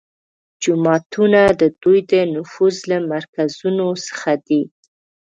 جوماتونه د دوی د نفوذ له مرکزونو څخه دي